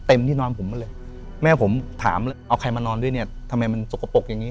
ที่นอนผมมาเลยแม่ผมถามเอาใครมานอนด้วยเนี่ยทำไมมันสกปรกอย่างนี้